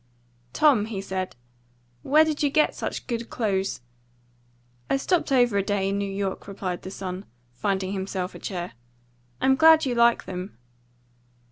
"Tom," he said, "where did you get such good clothes?" "I stopped over a day in New York," replied the son, finding himself a chair. "I'm glad you like them."